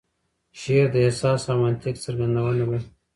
شعر د احساس او منطق څرګندونه ده.